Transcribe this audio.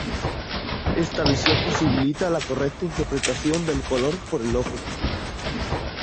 Esta visión posibilita la correcta interpretación del color por el ojo.